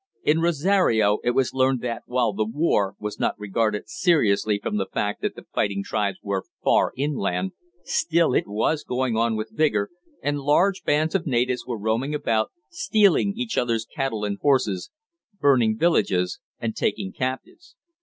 In Rosario it was learned that while the "war" was not regarded seriously from the fact that the fighting tribes were far inland, still it was going on with vigor, and large bands of natives were roaming about, stealing each others' cattle and horses, burning villages, and taking captives.